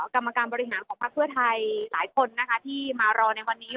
กรรมการบริหารของพักเพื่อไทยหลายคนนะคะที่มารอในวันนี้